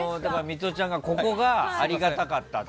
ミトちゃんがここがありがたかったと。